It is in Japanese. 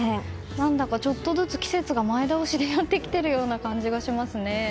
何だかちょっとずつ季節が前倒しでやってきている感じがしますね。